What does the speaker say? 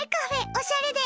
おしゃれで。